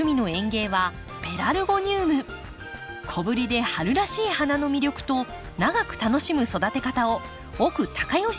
小ぶりで春らしい花の魅力と長く楽しむ育て方を奥隆善さんに教えていただきます。